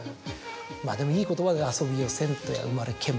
まぁでもいい言葉で「遊びをせんとや生まれけむ」。